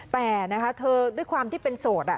แต่นะคะเธอด้วยความที่เป็นโสด